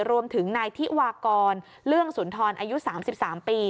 รวมถึงนายธิวากรเรื่องสุนทรอายุ๓๓ปี